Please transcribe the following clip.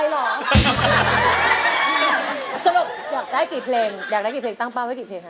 สำหรับอยากได้กี่เพลงอยากได้กี่เพลงตั้งเป้าไว้กี่เพลงฮ